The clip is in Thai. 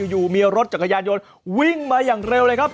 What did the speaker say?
อยู่มีรถจักรยานยนต์วิ่งมาอย่างเร็วเลยครับ